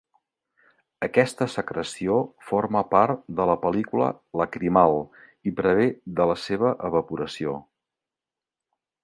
Aquesta secreció forma part de la pel·lícula lacrimal i prevé la seva evaporació.